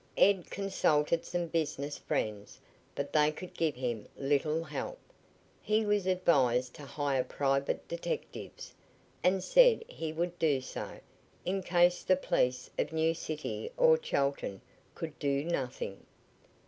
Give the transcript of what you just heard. Ed consulted some business friends, but they could give him little help. He was advised to hire private detectives, and said he would do so, in case the police of New City or Chelton could do nothing.